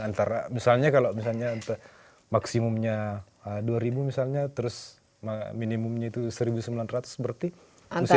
antara misalnya kalau misalnya maksimumnya dua ribu misalnya terus minimumnya itu seribu sembilan ratus berarti usianya